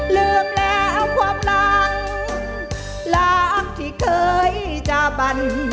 ลืมแล้วความหลังรักที่เคยจาบัน